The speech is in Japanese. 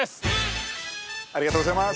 ありがとうございます。